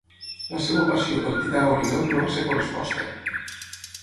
La seva passió pel tità Orió no va ser corresposta.